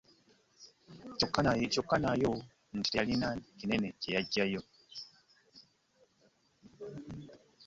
Kyokka nayo nti teyalina kinene ky'aggyayo.